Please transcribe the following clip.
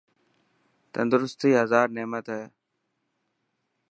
تندرستي هزار نعمت هي.